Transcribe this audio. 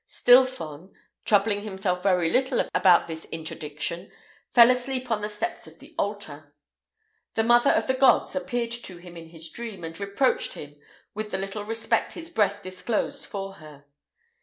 Stilphon, troubling himself very little about this interdiction, fell asleep on the steps of the altar. The mother of the gods appeared to him in his dream, and reproached him with the little respect his breath disclosed for her.